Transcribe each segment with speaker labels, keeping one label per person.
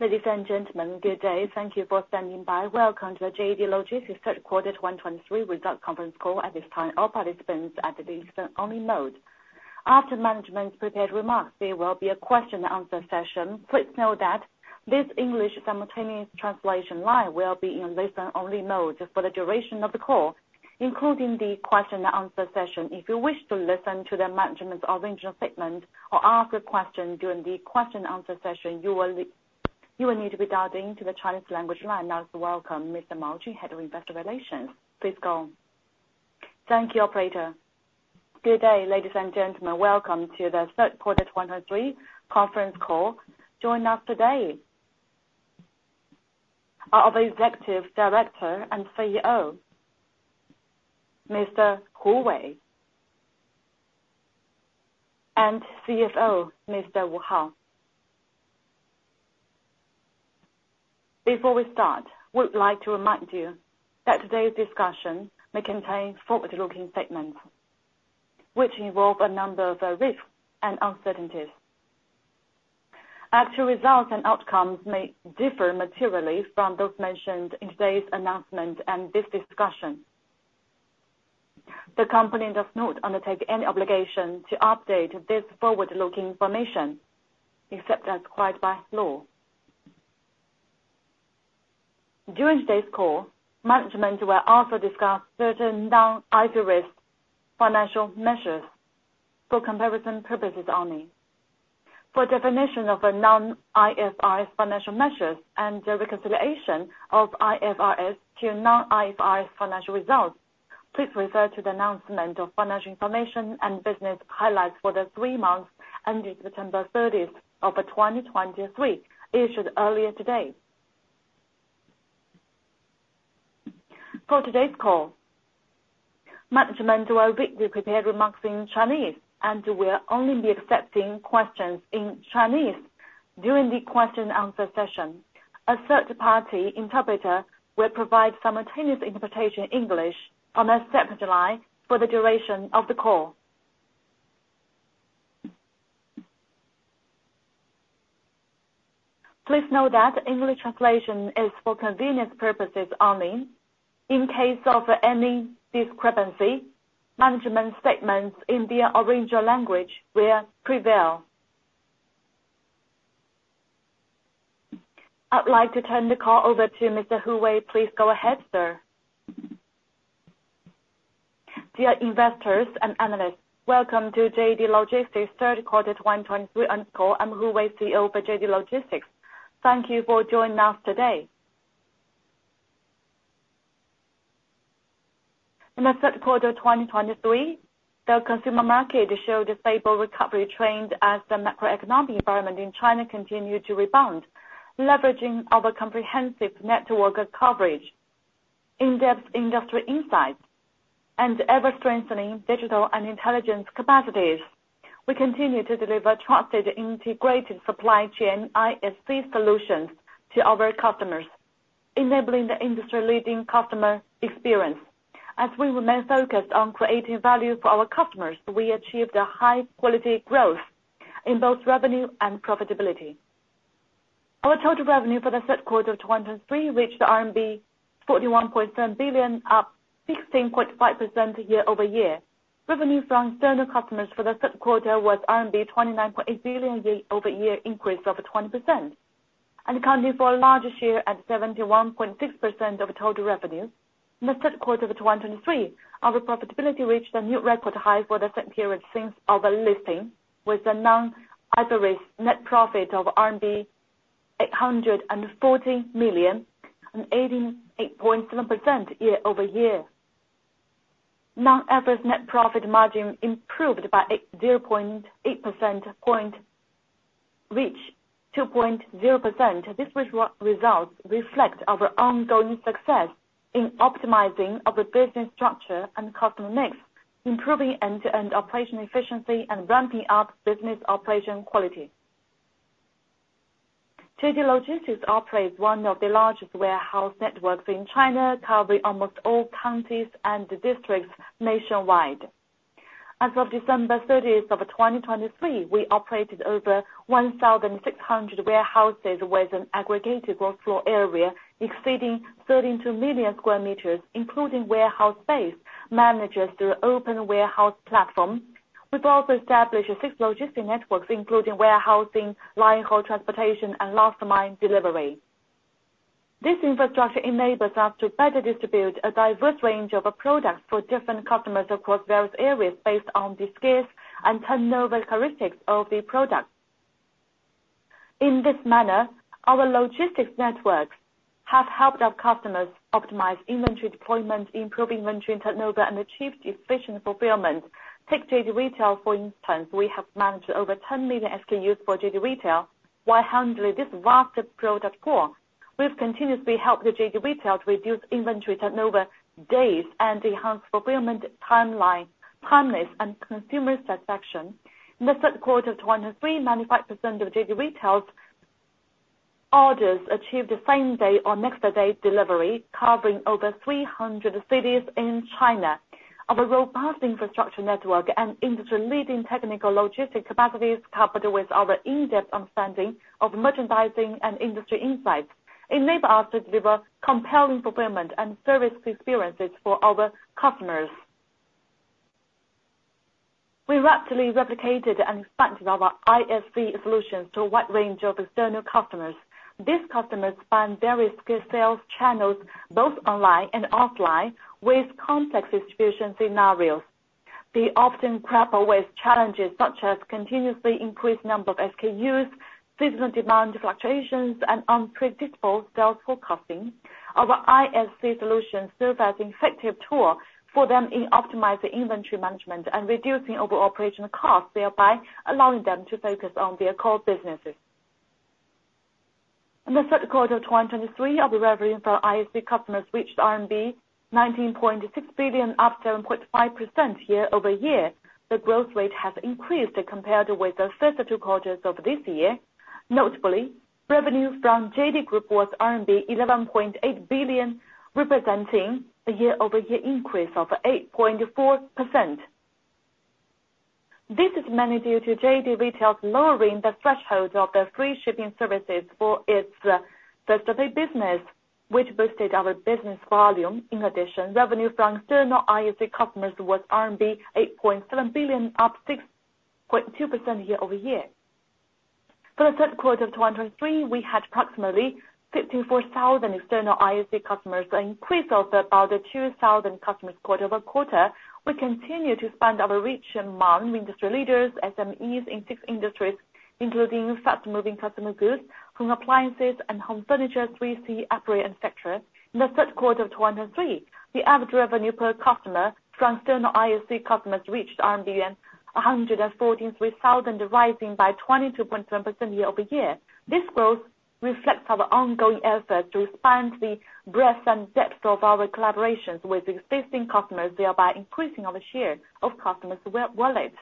Speaker 1: Ladies and gentlemen, good day. Thank you for standing by. Welcome to the JD Logistics Third Quarter 2023 Results Conference Call. At this time, all participants are in listen-only mode. After management's prepared remarks, there will be a question and answer session. Please note that this English simultaneous translation line will be in listen-only mode for the duration of the call, including the question and answer session. If you wish to listen to the management's original statement or ask a question during the question and answer session, you will need to be dialed into the Chinese language line. Now to welcome Mr. Jun Mao, Head of Investor Relations. Please go on.
Speaker 2: Thank you, operator. Good day, ladies and gentlemen. Welcome to the third quarter 2023 conference call. Joining us today are our Executive Director and CEO, Mr. Hu Wei, and CFO, Mr. Wu Hao. Before we start, we'd like to remind you that today's discussion may contain forward-looking statements, which involve a number of risks and uncertainties. Actual results and outcomes may differ materially from those mentioned in today's announcement and this discussion. The company does not undertake any obligation to update this forward-looking information, except as required by law. During today's call, management will also discuss certain non-IFRS financial measures for comparison purposes only. For definition of a non-IFRS financial measures and the reconciliation of IFRS to non-IFRS financial results, please refer to the announcement of financial information and business highlights for the three months ending September 30, 2023, issued earlier today. For today's call, management will read the prepared remarks in Chinese and will only be accepting questions in Chinese during the question and answer session. A third-party interpreter will provide simultaneous interpretation in English on a separate line for the duration of the call. Please note that English translation is for convenience purposes only. In case of any discrepancy, management statements in their original language will prevail. I'd like to turn the call over to Mr. Hu Wei. Please go ahead, sir.
Speaker 3: Dear investors and analysts, welcome to JD Logistics third quarter 2023 earnings call. I'm Hu Wei, CEO for JD Logistics. Thank you for joining us today. In the third quarter of 2023, the consumer market showed a stable recovery trend as the macroeconomic environment in China continued to rebound, leveraging our comprehensive network coverage, in-depth industry insights, and ever-strengthening digital and intelligence capacities. We continue to deliver trusted, integrated supply chain ISC solutions to our customers, enabling the industry-leading customer experience. As we remain focused on creating value for our customers, we achieved a high quality growth in both revenue and profitability. Our total revenue for the third quarter of 2023 reached RMB 41.7 billion, up 16.5% year-over-year. Revenue from external customers for the third quarter was RMB 29.8 billion, year-over-year increase of 20%, accounting for a larger share at 71.6% of total revenue. In the third quarter of 2023, our profitability reached a new record high for the same period since our listing, with a non-IFRS net profit of CNY 840 million and 88.7% year-over-year. Non-IFRS net profit margin improved by 80.8 percentage points, reached 2.0%. These results reflect our ongoing success in optimizing of the business structure and customer mix, improving end-to-end operation efficiency, and ramping up business operation quality. JD Logistics operates one of the largest warehouse networks in China, covering almost all counties and districts nationwide. As of December 30th, 2023, we operated over 1,600 warehouses, with an aggregated workflow area exceeding 32 million square meters, including warehouse space managed through Open Warehouse Platform. We've also established a six logistics networks, including warehousing, line haul, transportation, and last mile delivery. This infrastructure enables us to better distribute a diverse range of products for different customers across various areas based on the scale and turnover characteristics of the product. In this manner, our logistics networks have helped our customers optimize inventory deployment, improve inventory turnover, and achieve efficient fulfillment. Take JD Retail, for instance. We have managed over 10 million SKUs for JD Retail while handling this vast product pool. We've continuously helped the JD Retail to reduce inventory turnover days and enhance fulfillment timeline, timelines, and consumer satisfaction. In the third quarter of 2023, 95% of JD Retail's orders achieved the same-day or next-day delivery, covering over 300 cities in China. Our robust infrastructure network and industry-leading technical logistic capacities, coupled with our in-depth understanding of merchandising and industry insights, enable us to deliver compelling fulfillment and service experiences for our customers. We rapidly replicated and expanded our ISC solutions to a wide range of external customers. These customers span various sales channels, both online and offline, with complex distribution scenarios. They often grapple with challenges such as continuously increased number of SKUs, seasonal demand fluctuations, and unpredictable sales forecasting. Our ISC solution serves as an effective tool for them in optimizing inventory management and reducing overall operational costs, thereby allowing them to focus on their core businesses. In the third quarter of 2023, our revenue for ISC customers reached RMB 19.6 billion, up 7.5% year-over-year. The growth rate has increased compared with the first two quarters of this year. Notably, revenue from JD Group was RMB 11.8 billion, representing a year-over-year increase of 8.4%. This is mainly due to JD Retail's lowering the threshold of their free shipping services for its first day business, which boosted our business volume. In addition, revenue from external ISC customers was RMB 8.7 billion, up 6.2% year-over-year. For the third quarter of 2023, we had approximately 54,000 external ISC customers, an increase of about 2,000 customers quarter-over-quarter. We continue to expand our reach among industry leaders, SMEs in six industries, including fast-moving consumer goods, home appliances and home furniture, 3C operator, et cetera. In the third quarter of 2023, the average revenue per customer from external ISC customers reached yuan 143,000, rising by 22.1% year-over-year. This growth reflects our ongoing efforts to expand the breadth and depth of our collaborations with existing customers, thereby increasing our share of customers' web wallet.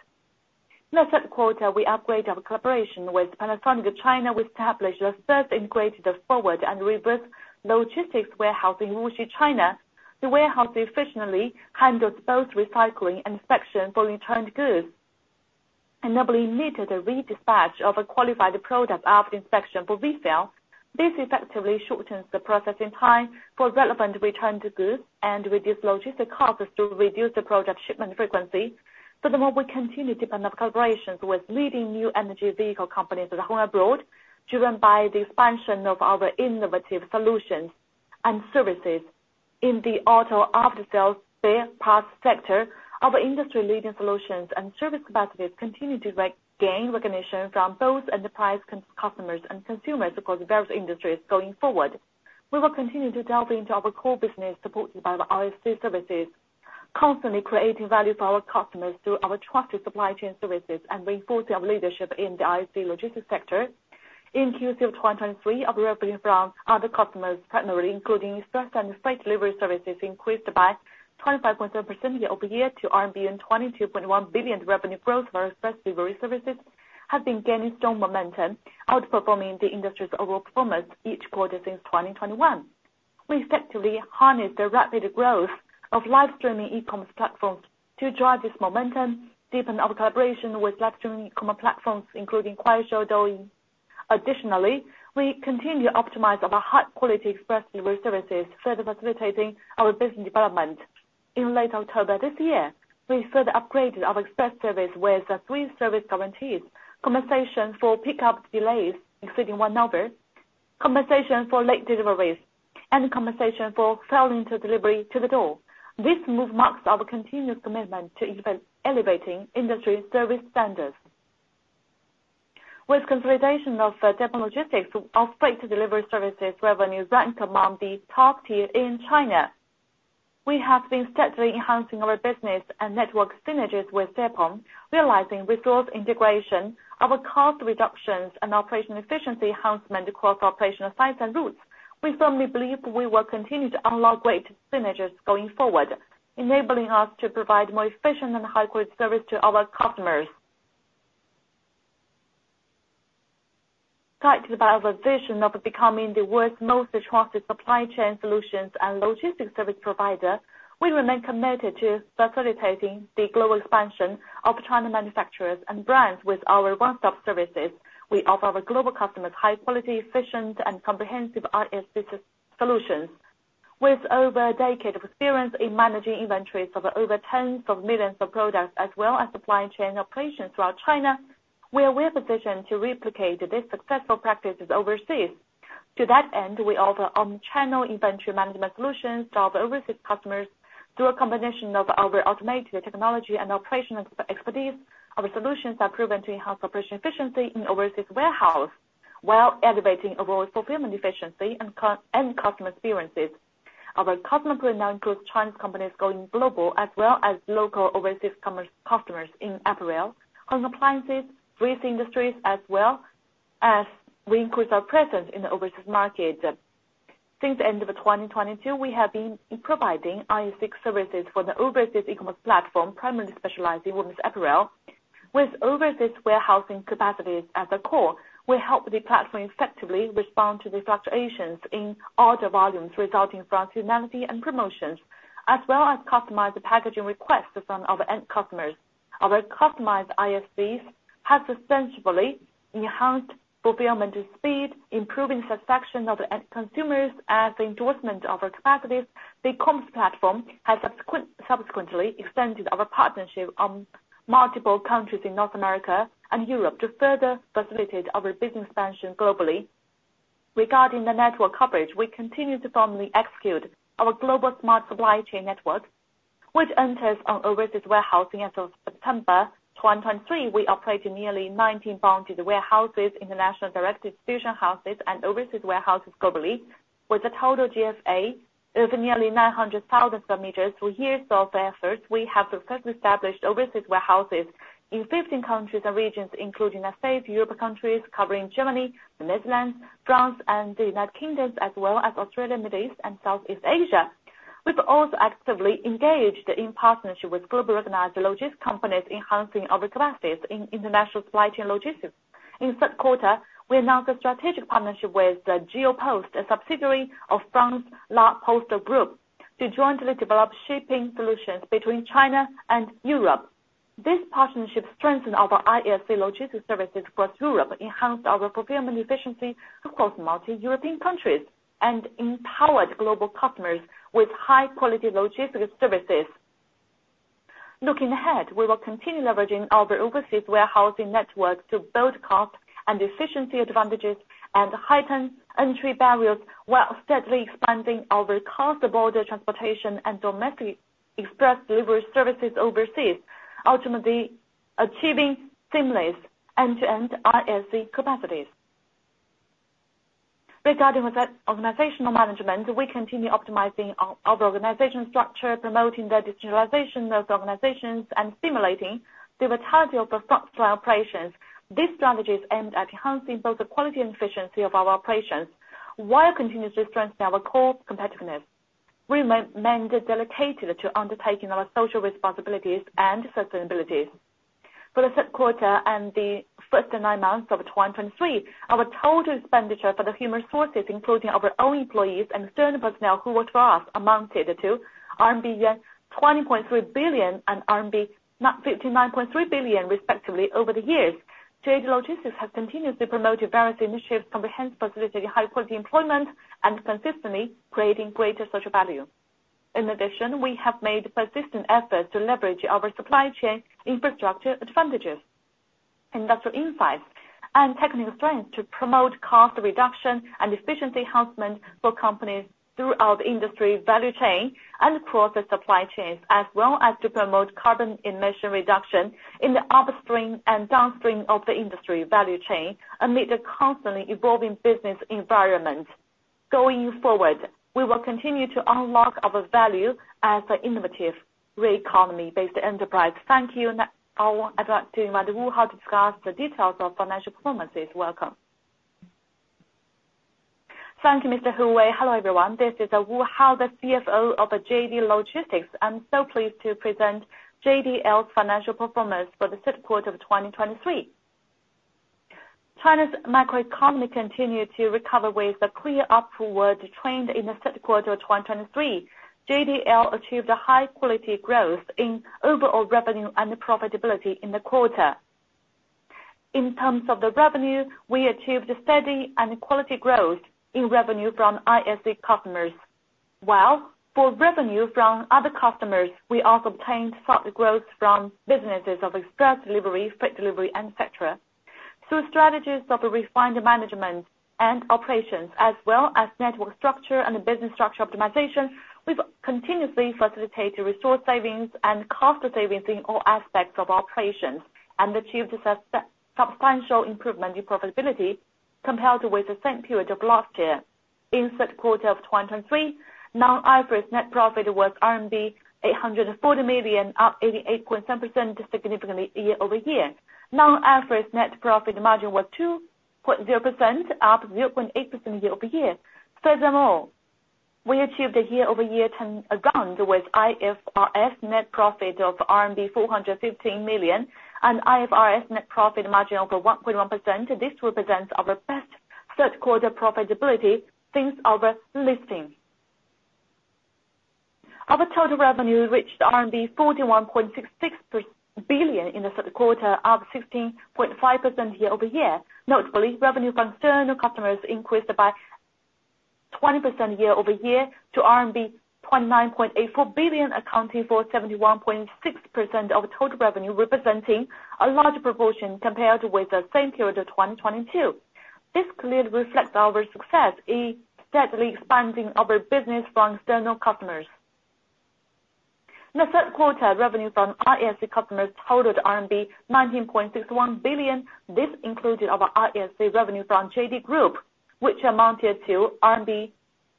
Speaker 3: In the third quarter, we upgraded our collaboration with Panasonic China. We established the first integrated forward and reverse logistics warehouse in Wuxi, China. The warehouse efficiently handles both recycling and inspection for returned goods, enabling immediate redispatch of a qualified product after inspection for resale. This effectively shortens the processing time for relevant returned goods and reduces logistics costs to reduce the product shipment frequency. Furthermore, we continue to deepen our collaborations with leading new energy vehicle companies at home and abroad, driven by the expansion of our innovative solutions and services. In the auto after-sales spare parts sector, our industry-leading solutions and service capacities continue to regain recognition from both enterprise customers and consumers across various industries going forward. We will continue to delve into our core business, supported by the ISC services, constantly creating value for our customers through our trusted supply chain services and reinforcing our leadership in the ISC logistics sector. In Q3 of 2023, our revenue from other customers, primarily including express and freight delivery services, increased by 25.7% year-over-year to CNY 22.1 billion. Revenue growth for express delivery services have been gaining strong momentum, outperforming the industry's overall performance each quarter since 2021. We effectively harnessed the rapid growth of live streaming e-commerce platforms to drive this momentum, deepen our collaboration with live streaming e-commerce platforms, including Kuaishou, Douyin. Additionally, we continue to optimize our high-quality express delivery services, further facilitating our business development. In late October this year, we further upgraded our express service with the 3 service guarantees: compensation for pickup delays exceeding 1 hour, compensation for late deliveries, and compensation for failing to deliver to the door. This move marks our continuous commitment to elevating industry service standards. With consolidation of Deppon Logistics, our freight delivery services revenues rank among the top tier in China. We have been steadily enhancing our business and network synergies with Deppon Logistics, realizing resource integration, our cost reductions, and operational efficiency enhancement across operational sites and routes. We firmly believe we will continue to unlock great synergies going forward, enabling us to provide more efficient and high-quality service to our customers. Guided by our vision of becoming the world's most trusted supply chain solutions and logistics service provider, we remain committed to facilitating the global expansion of China manufacturers and brands with our one-stop services. We offer our global customers high quality, efficient, and comprehensive ISC business solutions. With over a decade of experience in managing inventories of over tens of millions of products, as well as supply chain operations throughout China, we are well positioned to replicate these successful practices overseas. To that end, we offer omni-channel inventory management solutions to our overseas customers through a combination of our automated technology and operational expertise. Our solutions are proven to enhance operational efficiency in overseas warehouse, while elevating overall fulfillment efficiency and customer experiences. Our customer pool now includes Chinese companies going global, as well as local overseas commerce customers in apparel, home appliances, FMCG industries, as well as we increase our presence in the overseas market. Since the end of 2022, we have been providing ISC services for the overseas e-commerce platform, primarily specializing in women's apparel. With overseas warehousing capacities at the core, we help the platform effectively respond to the fluctuations in order volumes resulting from seasonality and promotions, as well as customize the packaging requests from our end customers. Our customized ISCs have substantially enhanced fulfillment speed, improving satisfaction of the end consumers and the endorsement of our capacities. The comms platform has subsequently extended our partnership on multiple countries in North America and Europe to further facilitate our business expansion globally. Regarding the network coverage, we continue to firmly execute our global smart supply chain network, which centers on overseas warehousing. As of September 2023, we operated nearly 19 bonded warehouses, international direct distribution houses, and overseas warehouses globally, with a total GFA of nearly 900,000 square meters. Through years of efforts, we have successfully established overseas warehouses in 15 countries and regions, including the United States, European countries, covering Germany, the Netherlands, France, and the United Kingdom, as well as Australia, Middle East, and Southeast Asia. We've also actively engaged in partnership with globally recognized logistics companies, enhancing our capacities in international supply chain logistics. In third quarter, we announced a strategic partnership with Geopost, a subsidiary of La Poste Groupe, to jointly develop shipping solutions between China and Europe. This partnership strengthened our ISC logistics services across Europe, enhanced our fulfillment efficiency across multi-European countries, and empowered global customers with high-quality logistics services. Looking ahead, we will continue leveraging our overseas warehousing network to build cost and efficiency advantages and heighten entry barriers, while steadily expanding our cross-border transportation and domestic express delivery services overseas, ultimately achieving seamless end-to-end ISC capacities. Regarding with that organizational management, we continue optimizing our organization structure, promoting the digitalization of the organizations, and stimulating the vitality of the structural operations. These strategies aim at enhancing both the quality and efficiency of our operations, while continuously strengthening our core competitiveness. We remain dedicated to undertaking our social responsibilities and sustainability. For the third quarter and the first nine months of 2023, our total expenditure for the human resources, including our own employees and certain personnel who work for us, amounted to RMB 20.3 billion and RMB 959.3 billion, respectively. Over the years, JD Logistics has continuously promoted various initiatives to enhance employability, high-quality employment, and consistently creating greater social value. In addition, we have made persistent efforts to leverage our supply chain infrastructure advantages, industrial insights, and technical strength to promote cost reduction and efficiency enhancement for companies throughout the industry value chain and across the supply chains, as well as to promote carbon emission reduction in the upstream and downstream of the industry value chain, amid the constantly evolving business environment. Going forward, we will continue to unlock our value as an innovative re-economy-based enterprise. Thank you. Now I would like to invite Wu Hao to discuss the details of financial performances. Welcome.
Speaker 4: Thank you, Mr. Hu Wei. Hello, everyone, this is Wu Hao, the CFO of JD Logistics. I'm so pleased to present JDL's financial performance for the third quarter of 2023. China's macroeconomy continued to recover with a clear upward trend in the third quarter of 2023. JDL achieved a high quality growth in overall revenue and profitability in the quarter. In terms of the revenue, we achieved a steady and quality growth in revenue from ISC customers. While for revenue from other customers, we also obtained further growth from businesses of express delivery, quick delivery, and et cetera. Through strategies of a refined management and operations, as well as network structure and business structure optimization, we've continuously facilitated resource savings and cost savings in all aspects of our operations, and achieved a substantial improvement in profitability compared with the same period of last year. In third quarter of 2023, non-IFRS net profit was RMB 840 million, up 88.7% significantly year-over-year. Non-IFRS net profit margin was 2.0%, up 0.8% year-over-year. Furthermore, we achieved a year-over-year turnaround, with IFRS net profit of RMB 415 million and IFRS net profit margin of 1.1%. This represents our best third quarter profitability since our listing. Our total revenue reached RMB 41.66 billion in the third quarter, up 15.5% year-over-year. Notably, revenue from external customers increased by 20% year-over-year to RMB 29.84 billion, accounting for 71.6% of total revenue, representing a larger proportion compared with the same period of 2022. This clearly reflects our success in steadily expanding our business from external customers. In the third quarter, revenue from ISC customers totaled RMB 19.61 billion. This included our ISC revenue from JD Group, which amounted to RMB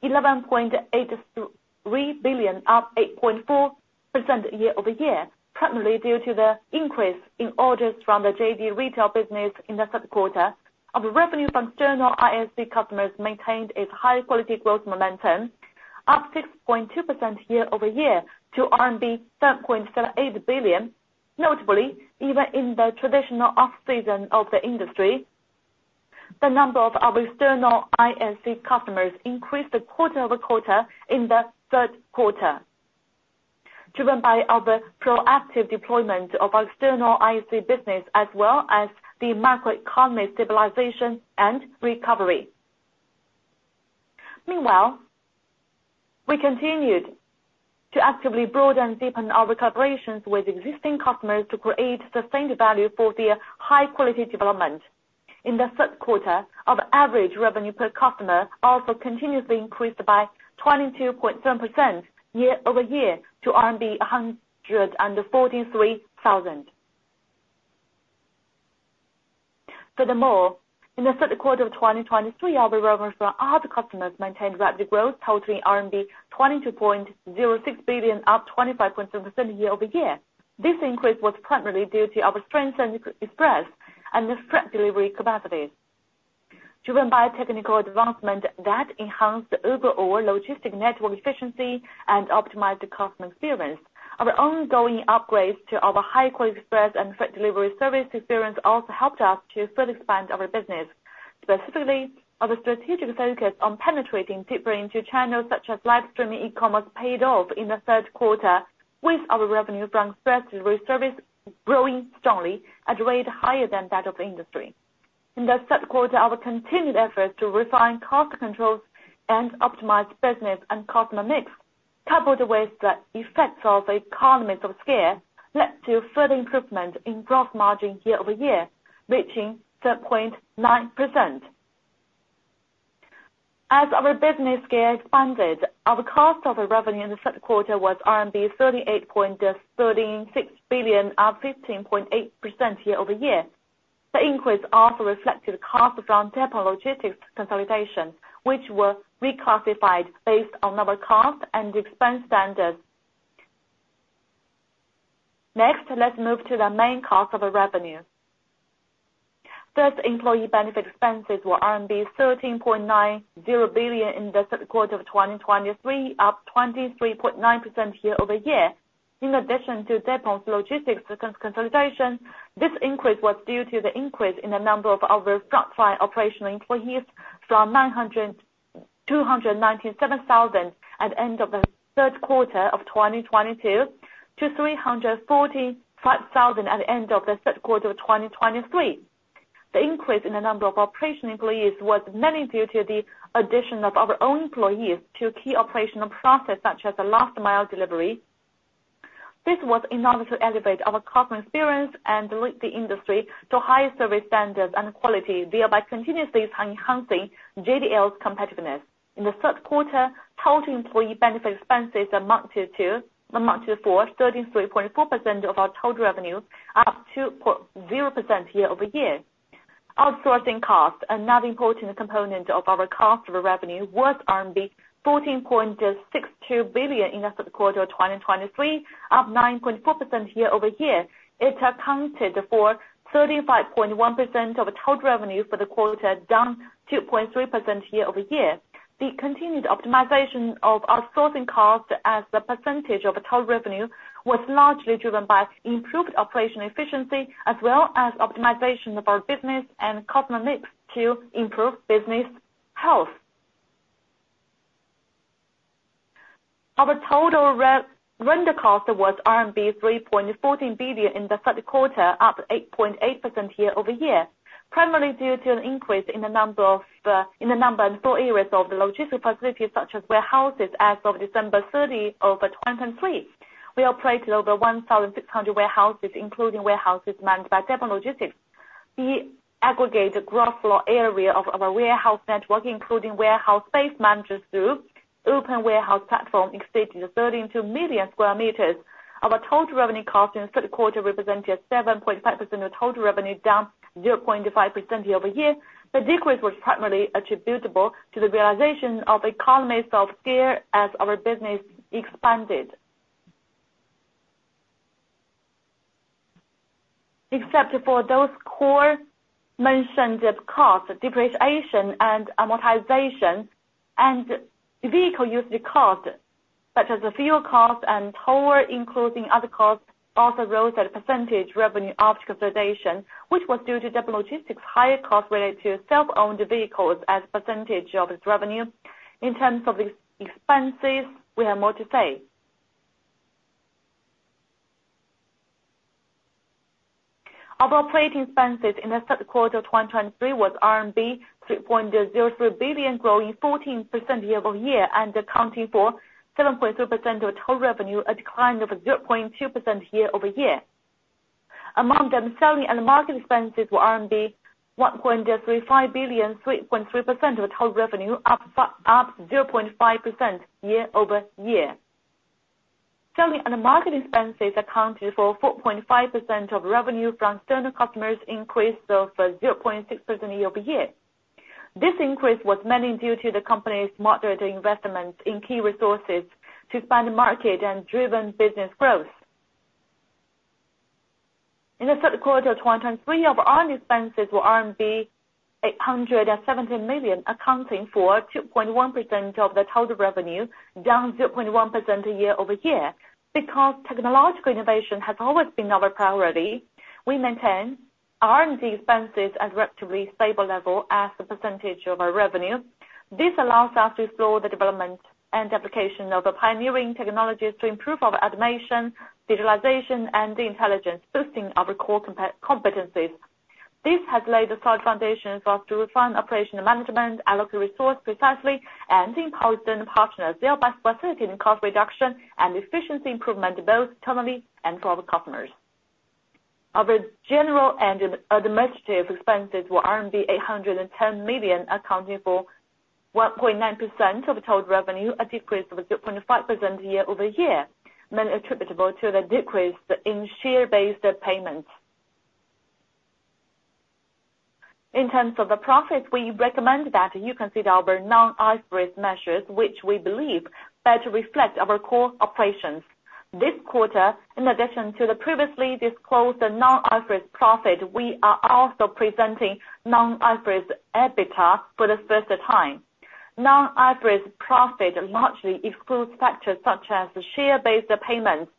Speaker 4: 11.83 billion, up 8.4% year-over-year, primarily due to the increase in orders from the JD Retail business in the third quarter. Our revenue from external ISC customers maintained its high-quality growth momentum, up 6.2% year-over-year to RMB 7.78 billion. Notably, even in the traditional off-season of the industry, the number of our external ISC customers increased quarter-over-quarter in the third quarter, driven by our proactive deployment of our external ISC business, as well as the macroeconomic stabilization and recovery. Meanwhile, we continued to actively broaden and deepen our collaborations with existing customers to create sustained value for their high-quality development. In the third quarter, our average revenue per customer also continuously increased by 22.7% year-over-year to CNY 143 thousand. Furthermore, in the third quarter of 2023, our revenues from all the customers maintained rapid growth, totaling RMB 22.06 billion, up 25.7% year-over-year. This increase was primarily due to our strength in express and freight delivery capacities, driven by technical advancement that enhanced the overall logistic network efficiency and optimized the customer experience. Our ongoing upgrades to our high-quality express and freight delivery service experience also helped us to further expand our business. Specifically, our strategic focus on penetrating deeper into channels such as live streaming e-commerce paid off in the third quarter, with our revenue from express delivery service growing strongly at a rate higher than that of the industry. In the third quarter, our continued efforts to refine cost controls and optimize business and customer mix, coupled with the effects of the economies of scale, led to further improvement in gross margin year-over-year, reaching 3.9%. As our business scale expanded, our cost of revenue in the third quarter was RMB 38.136 billion, up 15.8% year-over-year. The increase also reflected costs around Deppon Logistics consolidation, which were reclassified based on our cost and expense standards. Next, let's move to the main cost of the revenue. First, employee benefit expenses were RMB 13.90 billion in the third quarter of 2023, up 23.9% year-over-year. In addition to Deppon's logistics system consolidation, this increase was due to the increase in the number of our classified operational employees from 297,000 at the end of the third quarter of 2022, to 345,000 at the end of the third quarter of 2023. The increase in the number of operational employees was mainly due to the addition of our own employees to key operational processes, such as the last mile delivery. This was in order to elevate our customer experience and lead the industry to higher service standards and quality, thereby continuously enhancing JDL's competitiveness. In the third quarter, total employee benefit expenses amounted to 33.4% of our total revenue, up 2.0% year-over-year. Outsourcing costs, another important component of our cost of revenue, was RMB 14.62 billion in the third quarter of 2023, up 9.4% year-over-year. It accounted for 35.1% of the total revenue for the quarter, down 2.3% year-over-year. The continued optimization of outsourcing costs as a percentage of total revenue, was largely driven by improved operational efficiency, as well as optimization of our business and customer mix to improve business health. Our total rental cost was RMB 3.14 billion in the third quarter, up 8.8% year-over-year, primarily due to an increase in the number of, in the number and footprint of the logistics facilities, such as warehouses as of December 30 of 2023. We operated over 1,600 warehouses, including warehouses managed by Deppon Logistics. The aggregate growth floor area of our warehouse network, including warehouse space managed through Open Warehouse Platform, extended to 13 million square meters. Our total revenue cost in the third quarter represented 7.5% of total revenue, down 0.5% year-over-year. The decrease was primarily attributable to the realization of economies of scale as our business expanded. Except for those core mentioned costs, depreciation and amortization and vehicle usage costs, such as the fuel costs and toll, including other costs, also rose at a percentage revenue after consolidation, which was due to Deppon Logistics' higher costs related to self-owned vehicles as a percentage of its revenue. In terms of expenses, we have more to say. Our operating expenses in the third quarter of 2023 was RMB 3.03 billion, growing 14% year-over-year, and accounting for 7.3% of total revenue, a decline of 0.2% year-over-year. Among them, selling and marketing expenses were RMB 1.35 billion, 3.3% of total revenue, up 0.5% year-over-year. Selling and marketing expenses accounted for 4.5% of revenue from external customers, increased of 0.6% year-over-year. This increase was mainly due to the company's moderate investment in key resources to expand the market and driven business growth. In the third quarter of 2023, our expenses were RMB 870 million, accounting for 2.1% of the total revenue, down 0.1% year-over-year. Because technological innovation has always been our priority, we maintain R&D expenses at a relatively stable level as a percentage of our revenue. This allows us to explore the development and application of pioneering technologies to improve our automation, digitalization, and intelligence, boosting our core competencies. This has laid a solid foundation for us to refine operational management, allocate resource precisely, and empower partners, thereby facilitating cost reduction and efficiency improvement, both internally and for our customers. Our general and administrative expenses were RMB 810 million, accounting for 1.9% of total revenue, a decrease of 0.5% year-over-year, mainly attributable to the decrease in share-based payments. In terms of the profits, we recommend that you consider our non-IFRS measures, which we believe better reflect our core operations. This quarter, in addition to the previously disclosed non-IFRS profit, we are also presenting non-IFRS EBITDA for the first time. Non-IFRS profit largely excludes factors such as share-based payments,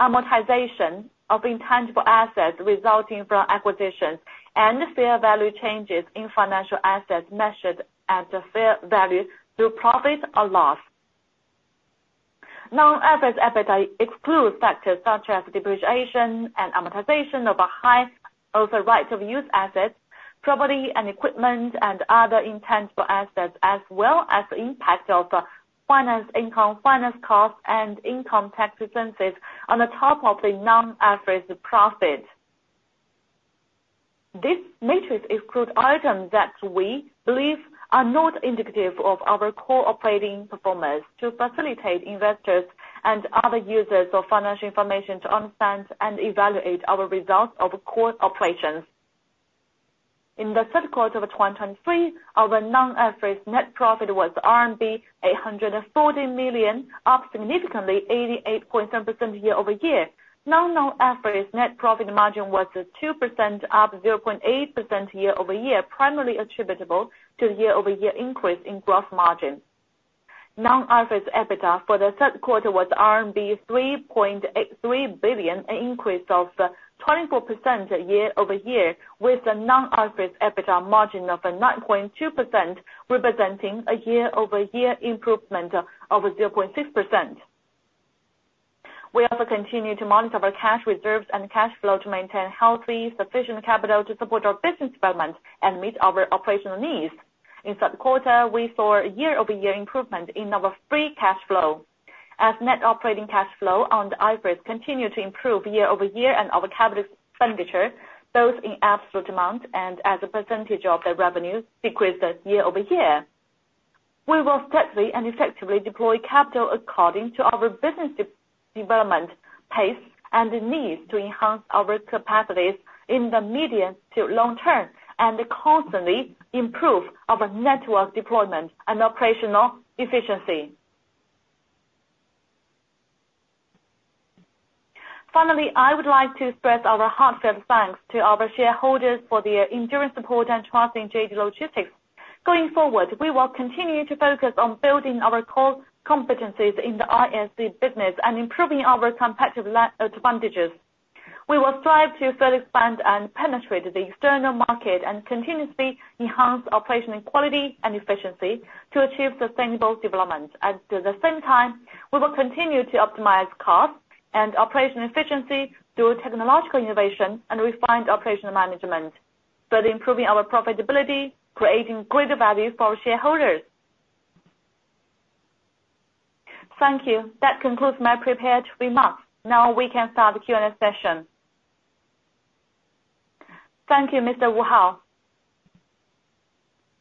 Speaker 4: amortization of intangible assets resulting from acquisitions, and fair value changes in financial assets measured at fair value through profit or loss. Non-IFRS EBITDA excludes factors such as depreciation and amortization of the right-of-use assets, property and equipment, and other intangible assets, as well as the impact of finance income, finance costs, and income tax expenses on top of the non-IFRS profit. These metrics exclude items that we believe are not indicative of our core operating performance, to facilitate investors and other users of financial information to understand and evaluate our results of core operations. In the third quarter of 2023, our non-IFRS net profit was RMB 840 million, up significantly 88.7% year-over-year. Non-IFRS net profit margin was 2%, up 0.8% year-over-year, primarily attributable to the year-over-year increase in gross margin. Non-IFRS EBITDA for the third quarter was RMB 3.83 billion, an increase of 24% year-over-year, with a non-IFRS EBITDA margin of 9.2%, representing a year-over-year improvement of 0.6%. We also continue to monitor our cash reserves and cash flow to maintain healthy, sufficient capital to support our business development and meet our operational needs. In third quarter, we saw a year-over-year improvement in our free cash flow, as net operating cash flow on the IFRS continued to improve year-over-year, and our capital expenditure, both in absolute amount and as a percentage of the revenue, decreased year-over-year. We will steadily and effectively deploy capital according to our business development pace and the needs to enhance our capacities in the medium to long term, and constantly improve our network deployment and operational efficiency. Finally, I would like to express our heartfelt thanks to our shareholders for their enduring support and trust in JD Logistics. Going forward, we will continue to focus on building our core competencies in the ISC business and improving our competitive advantages. We will strive to further expand and penetrate the external market and continuously enhance operational quality and efficiency to achieve sustainable development. At the same time, we will continue to optimize costs and operational efficiency through technological innovation and refined operational management, thus improving our profitability, creating greater value for shareholders. Thank you. That concludes my prepared remarks. Now we can start the Q&A session.
Speaker 2: Thank you, Mr. Wu Hao.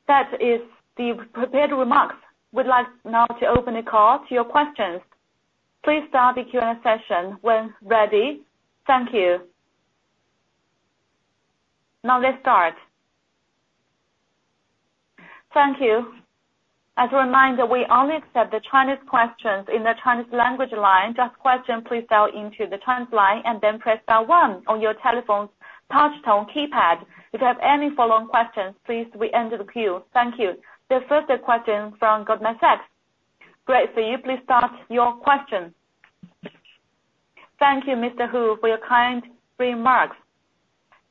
Speaker 2: That is the prepared remarks. We'd like now to open the call to your questions. Please start the Q&A session when ready. Thank you.
Speaker 1: Now let's start. Thank you. As a reminder, we only accept the Chinese questions in the Chinese language line. Just question, please dial into the Chinese line and then press star one on your telephone's touch tone keypad. If you have any follow-on questions, please re-enter the queue. Thank you. The first question from Goldman Sachs. Great, so you please start your question.
Speaker 5: Thank you, Mr. Hu, for your kind remarks.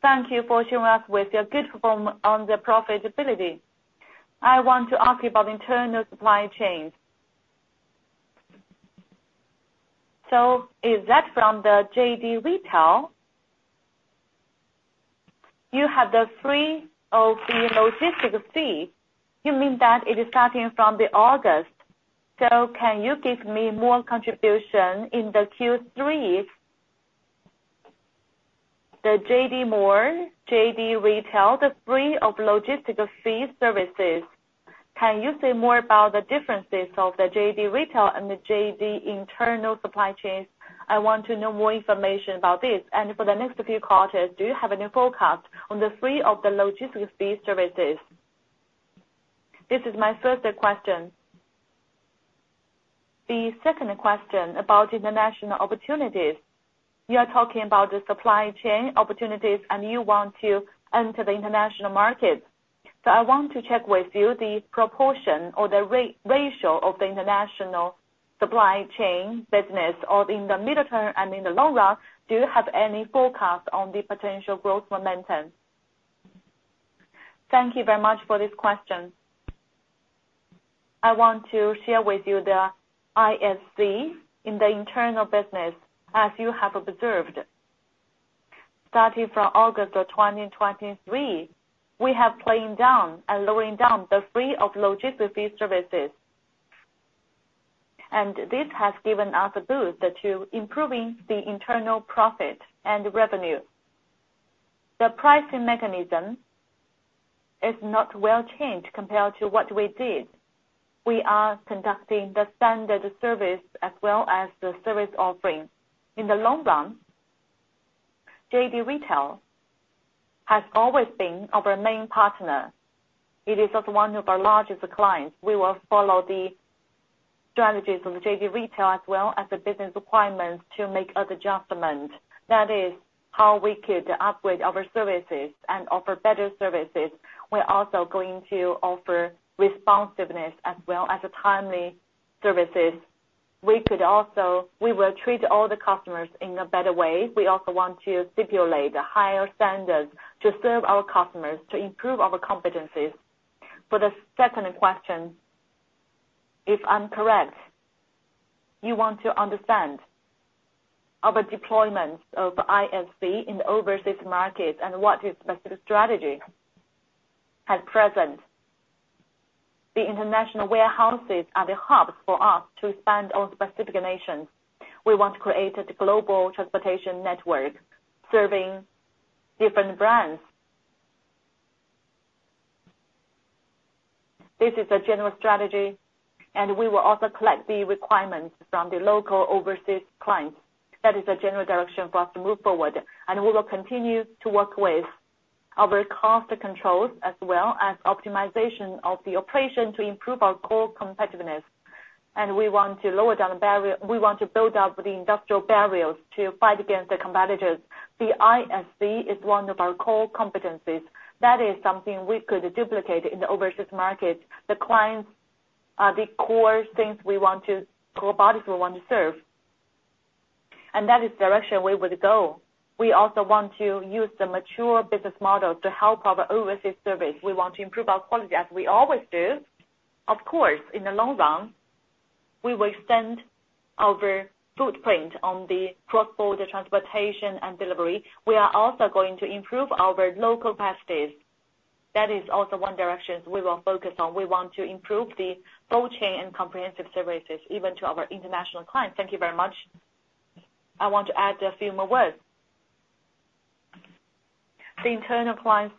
Speaker 5: Thank you for sharing us with your good form on the profitability. I want to ask you about internal supply chains. Is that from the JD Retail? You have the free of the logistic fee. You mean that it is starting from the August? Can you give me more contribution in the Q3? The JD Mall, JD Retail, the free of logistical fee services. Can you say more about the differences of the JD Retail and the JD internal supply chains? I want to know more information about this. For the next few quarters, do you have any forecast on the free of the logistics fee services? This is my first question. The second question about international opportunities. You are talking about the supply chain opportunities and you want to enter the international market. So I want to check with you the proportion or the ratio of the international supply chain business or in the midterm and in the long run, do you have any forecast on the potential growth momentum?
Speaker 3: Thank you very much for this question. I want to share with you the ISC in the internal business, as you have observed. Starting from August of 2023, we have playing down and lowering down the free of logistics services. This has given us a boost to improving the internal profit and revenue. The pricing mechanism is not well changed compared to what we did. We are conducting the standard service as well as the service offering. In the long run, JD Retail has always been our main partner. It is also one of our largest clients. We will follow the strategies of JD Retail as well as the business requirements to make adjustment. That is how we could upgrade our services and offer better services. We're also going to offer responsiveness as well as timely services. We will treat all the customers in a better way. We also want to stipulate higher standards to serve our customers, to improve our competencies. For the second question, if I'm correct, you want to understand our deployments of ISC in the overseas market and what is specific strategy. At present, the international warehouses are the hubs for us to expand on specific nations. We want to create a global transportation network serving different brands. This is a general strategy, and we will also collect the requirements from the local overseas clients. That is a general direction for us to move forward, and we will continue to work with our cost controls as well as optimization of the operation to improve our core competitiveness. We want to lower down the barrier. We want to build up the industrial barriers to fight against the competitors. The ISC is one of our core competencies. That is something we could duplicate in the overseas market. The clients are the core things we want to, core bodies we want to serve, and that is the direction we would go. We also want to use the mature business model to help our overseas service. We want to improve our quality, as we always do. Of course, in the long run, we will extend our footprint on the cross-border transportation and delivery. We are also going to improve our local capacities. That is also one direction we will focus on. We want to improve the cold chain and comprehensive services, even to our international clients. Thank you very much.
Speaker 4: I want to add a few more words. The internal client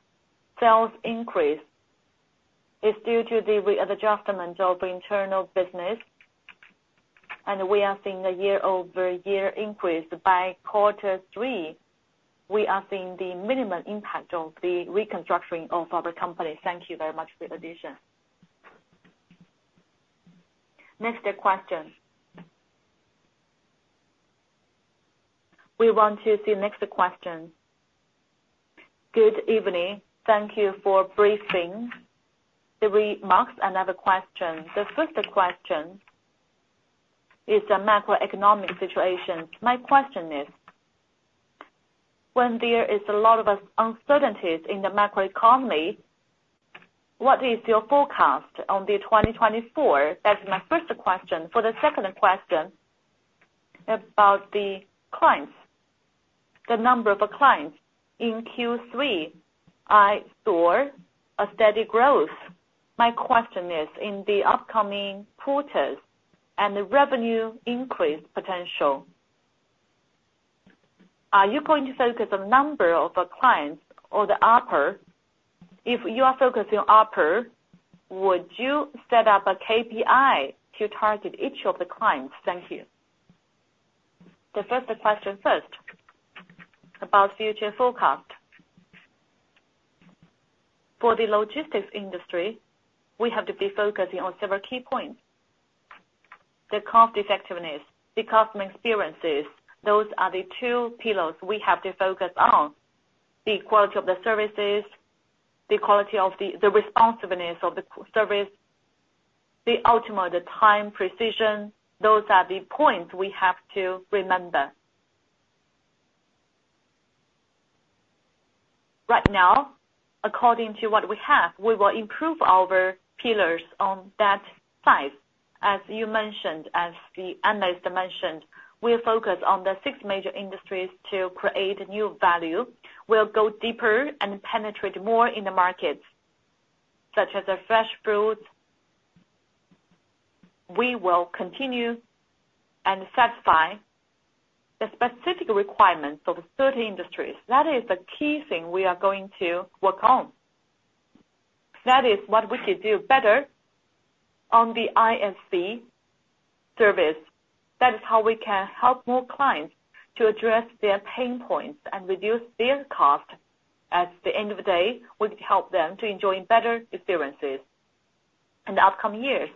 Speaker 4: sales increase is due to the re-adjustment of the internal business, and we are seeing a year-over-year increase by quarter three. We are seeing the minimum impact of the restructuring of our company.
Speaker 5: Thank you very much for the addition. Next question. We want to see next question. Good evening. Thank you for briefing the remarks. Another question. The first question is the macroeconomic situation. My question is, when there is a lot of uncertainties in the macroeconomy, what is your forecast on the 2024? That's my first question. For the second question, about the clients, the number of clients. In Q3, I saw a steady growth. My question is, in the upcoming quarters and the revenue increase potential, are you going to focus on number of clients or the ARPU? If you are focusing on ARPU, would you set up a KPI to target each of the clients? Thank you.
Speaker 3: The first question first, about future forecast. For the logistics industry, we have to be focusing on several key points, the cost effectiveness, the customer experiences. Those are the two pillars we have to focus on. The quality of the services, the responsiveness of the service, the ultimate, the time, precision, those are the points we have to remember. Right now, according to what we have, we will improve our pillars on that side. As you mentioned, as the analyst mentioned, we'll focus on the six major industries to create new value. We'll go deeper and penetrate more in the markets, such as the fresh foods. We will continue and satisfy the specific requirements of the third industries. That is the key thing we are going to work on. That is what we could do better on the ISC service. That is how we can help more clients to address their pain points and reduce their cost. At the end of the day, we help them to enjoy better experiences. In the upcoming years,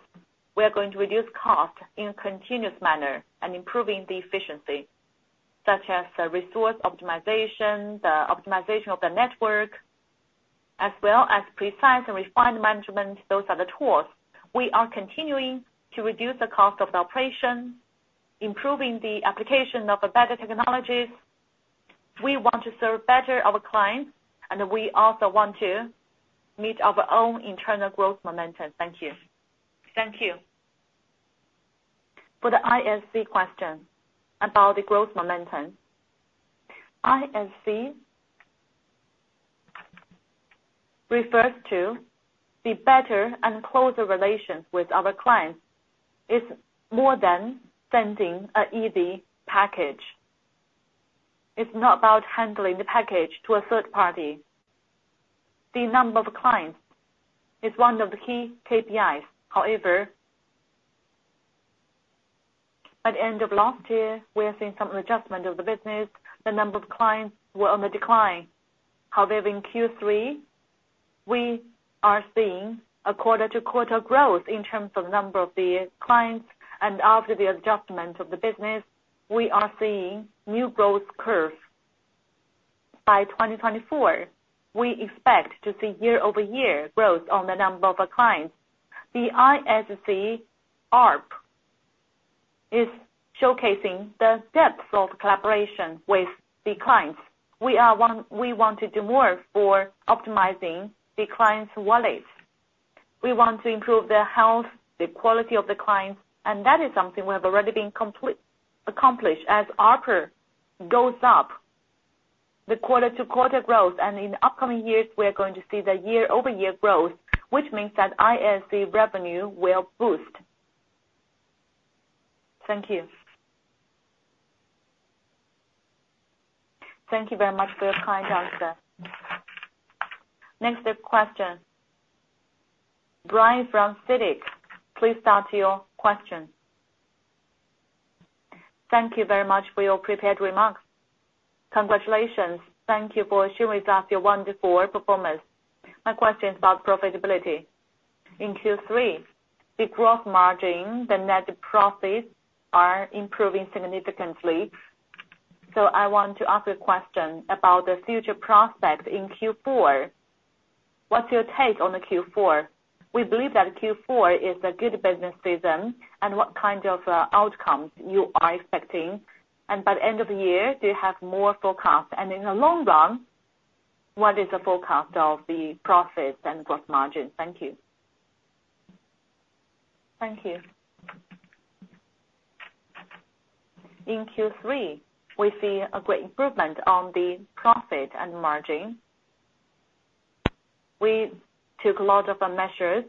Speaker 3: we are going to reduce cost in a continuous manner and improving the efficiency, such as the resource optimization, the optimization of the network, as well as precise and refined management. Those are the tools. We are continuing to reduce the cost of the operation, improving the application of better technologies. We want to serve better our clients, and we also want to meet our own internal growth momentum. Thank you. Thank you. For the ISC question about the growth momentum. ISC refers to the better and closer relations with our clients, is more than sending an easy package. It's not about handling the package to a third party. The number of clients is one of the key KPIs. However, at the end of last year, we are seeing some adjustment of the business. The number of clients were on the decline. However, in Q3, we are seeing a quarter-over-quarter growth in terms of number of the clients, and after the adjustment of the business, we are seeing new growth curve. By 2024, we expect to see year-over-year growth on the number of our clients. The ISC ARPU is showcasing the depth of collaboration with the clients. We want to do more for optimizing the client's wallets. We want to improve their health, the quality of the clients, and that is something we have already been accomplished. As ARPU goes up, the quarter-to-quarter growth, and in the upcoming years, we are going to see the year-over-year growth, which means that ISC revenue will boost. Thank you.
Speaker 5: Thank you very much for your kind answer.
Speaker 1: Next question, Brian from CITIC, please start your question.
Speaker 6: Thank you very much for your prepared remarks. Congratulations. Thank you for sharing with us your wonderful performance. My question is about profitability. In Q3, the gross margin, the net profits are improving significantly. So I want to ask a question about the future prospect in Q4. What's your take on the Q4? We believe that Q4 is a good business season, and what kind of outcomes you are expecting? And by the end of the year, do you have more forecasts? And in the long run, what is the forecast of the profits and gross margin? Thank you.
Speaker 3: Thank you. In Q3, we see a great improvement on the profit and margin. We took a lot of measures,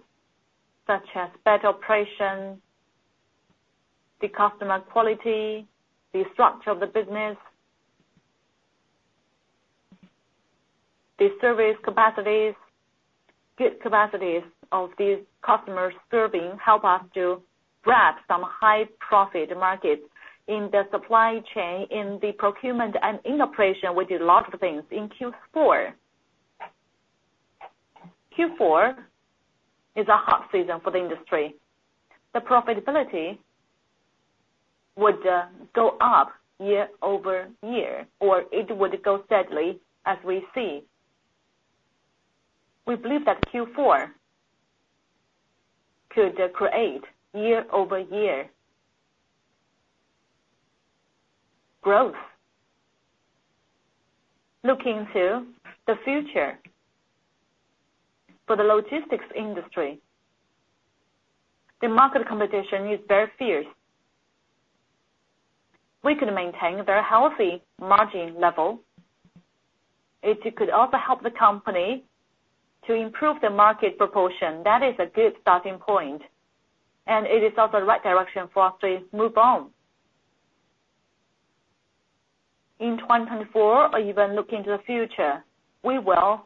Speaker 3: such as better operation, the customer quality, the structure of the business, the service capacities, good capacities of these customers serving help us to grab some high profit markets in the supply chain. In the procurement and in operation, we did a lot of things in Q4. Q4 is a hot season for the industry. The profitability would go up year-over-year, or it would go steadily as we see. We believe that Q4 could create year-over-year growth. Looking to the future, for the logistics industry, the market competition is very fierce. We could maintain a very healthy margin level. It could also help the company to improve the market proportion. That is a good starting point, and it is also the right direction for us to move on. In 2024 or even looking to the future, we will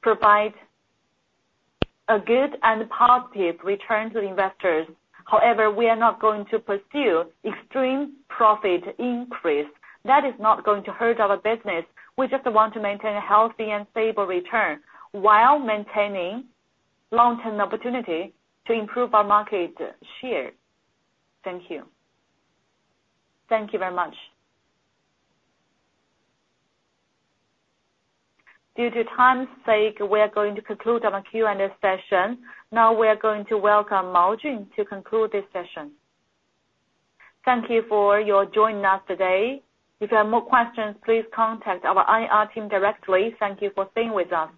Speaker 3: provide a good and positive return to the investors. However, we are not going to pursue extreme profit increase. That is not going to hurt our business. We just want to maintain a healthy and stable return while maintaining long-term opportunity to improve our market share. Thank you.
Speaker 6: Thank you very much.
Speaker 1: Due to time's sake, we are going to conclude our Q&A session. Now we are going to welcome Jun Mao to conclude this session.
Speaker 2: Thank you for your joining us today.
Speaker 1: If you have more questions, please contact our IR team directly. Thank you for being with us.